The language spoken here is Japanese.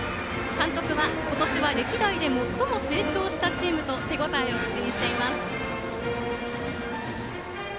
監督は今年は歴代で最も成長したチームと手応えを口にしています。